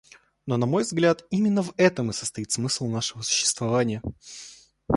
Но, на мой взгляд, именно в этом и состоит смысл нашего существования.